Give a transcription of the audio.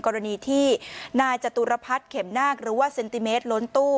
กรณีที่นายจตุรพัฒน์เข็มนาคหรือว่าเซนติเมตรล้นตู้